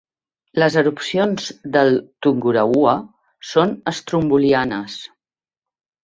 Les erupcions del Tungurahua són estrombolianes.